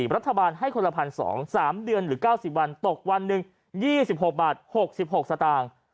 รัฐบาลให้คนละ๑๒๐๐๓เดือนหรือ๙๐วันตกวันหนึ่ง๒๖บาท๖๖สตางค์